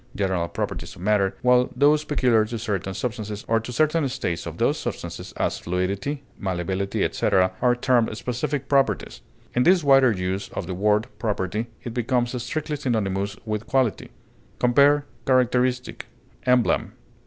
general properties of matter, while those peculiar to certain substances or to certain states of those substances (as fluidity, malleability, etc.) are termed specific properties; in this wider use of the word property, it becomes strictly synonymous with quality. Compare CHARACTERISTIC; EMBLEM.